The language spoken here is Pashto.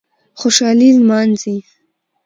خوشالي نمانځي